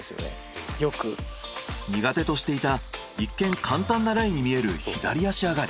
苦手としていた一見簡単なライに見える左足上がり。